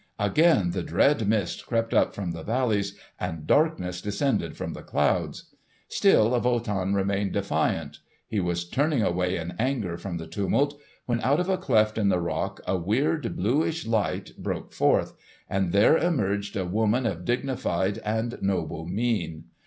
Again the dread mist crept up from the valleys, and darkness descended from the clouds. Still Wotan remained defiant. He was turning away in anger from the tumult, when out of a cleft in the rock a weird bluish light broke forth, and there emerged a woman of dignified and noble mien.